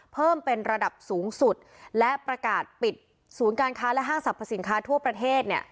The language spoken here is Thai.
เพิ่มเป็นระดับสูงสุดและประกาศปิดศูนย์การค้าและห้างสรรพสินค้าทั่วประเทศเนี่ย